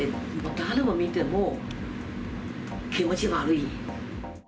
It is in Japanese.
誰が見ても気持ち悪い。